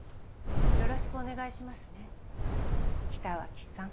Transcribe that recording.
よろしくお願いしますね北脇さん。